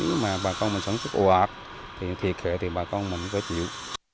nếu mà bà con mình sản xuất ồ ạp thì thiệt hệ thì bà con mình có chịu